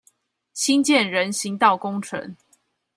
新建人行道工程